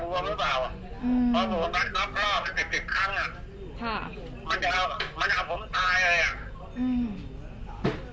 พอบุกรักษ์รอบ๑๐ครั้งมันจะเอาผมตายเลย